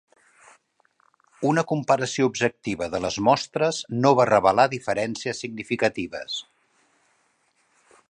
Una comparació objectiva de les mostres no va revelar diferències significatives.